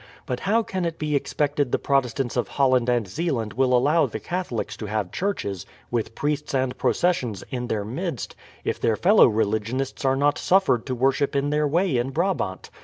"But how can it be expected the Protestants of Holland and Zeeland will allow the Catholics to have churches, with priests and processions, in their midst, if their fellow religionists are not suffered to worship in their way in Brabant?